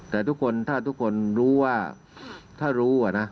แต่ทุกคนถ้าทุกคนรู้ว่าถ้ารู้